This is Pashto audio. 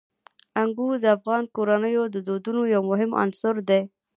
انګور د افغان کورنیو د دودونو یو مهم عنصر دی.